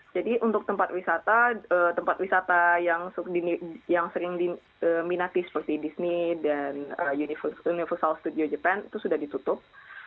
jadi untuk tempat wisata tempat wisata yang sering diminati seperti disney dan universal studio japan itu sudah ditutup